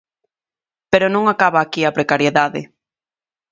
Pero non acaba aquí a precariedade.